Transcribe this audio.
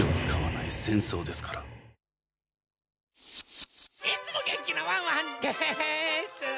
いつも元気なワンワンでーす！